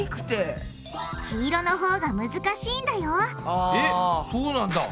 黄色のほうが難しいんだよえっそうなんだ。